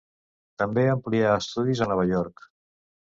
També amplià estudis a Nova York.